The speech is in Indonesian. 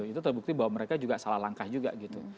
itu terbukti bahwa mereka juga salah langkah juga gitu